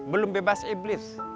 belum bebas iblis